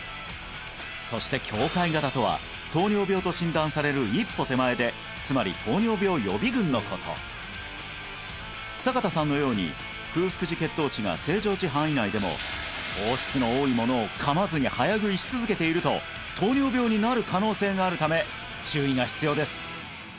そして境界型とは糖尿病と診断される一歩手前でつまり糖尿病予備群のこと坂田さんのように空腹時血糖値が正常値範囲内でも糖質の多いものを噛まずに早食いし続けていると糖尿病になる可能性があるため注意が必要です